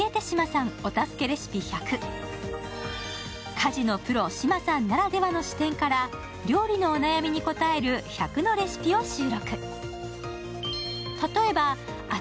家事のプロ、志麻さんならではの視点から料理のお悩みに答える１００のレシピを収録。